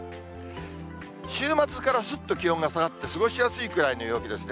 週末からすっと気温が下がって、過ごしやすいくらいの陽気ですね。